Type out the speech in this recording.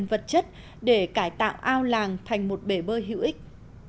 vật chất để cải tạo ao làng thành một bể bơi hữu ích